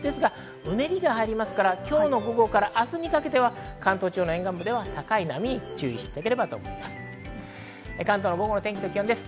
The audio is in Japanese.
うねりがありますから、今日の午後から明日にかけては関東地方の沿岸部では高い波に注意していただければと思います。